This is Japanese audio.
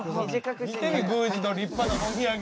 見てみ宮司の立派なもみあげ。